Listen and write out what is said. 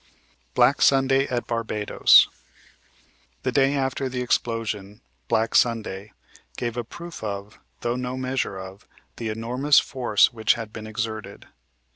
BLACK SUNDAY AT BARBADOS "The day after the explosion, 'Black Sunday,' gave a proof of, though no measure of, the enormous force which had been exerted.